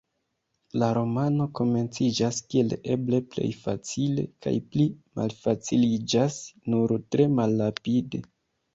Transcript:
La romano komenciĝas kiel eble plej facile, kaj pli malfaciliĝas nur tre malrapide.